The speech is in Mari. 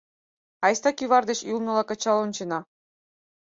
Айста кӱвар деч ӱлныла кычал ончена.